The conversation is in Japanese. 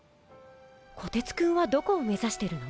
こてつくんはどこを目指してるの？